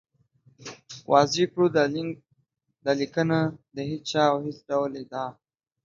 واضح کړو، دا لیکنه د هېچا او هېڅ ډول ادعا